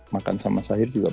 makan sama sahir juga